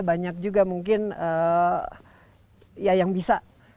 banyak juga mungkin ya yang bisa